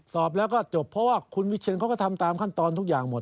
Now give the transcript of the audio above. สอบแล้วก็จบเพราะว่าคุณวิเชียนเขาก็ทำตามขั้นตอนทุกอย่างหมด